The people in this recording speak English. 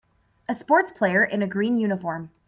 A sports player in a green uniform.